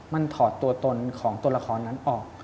มันถอดตัวตนของตัวละครนั้นออก